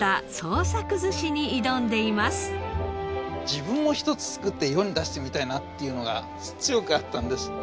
自分もひとつ作って世に出してみたいなっていうのが強くあったんです。